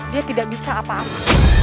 dia tidak bisa apa apa